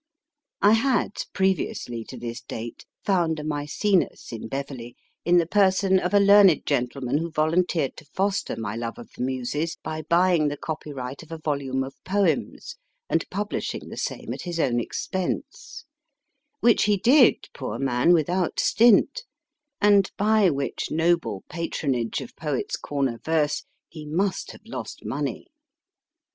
I had, previously to this date, found a Maecenas in Beverley, in the person of a learned gentleman who volunteered to foster my love of the Muses by buying the copyright of a volume of poems and publishing the same at his own expense which he did, poor man, without stint, and by which noble patron age of Poet s Corner verse he must have lost money.